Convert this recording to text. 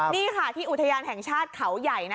นี่ค่ะที่อุทยานแห่งชาติเขาใหญ่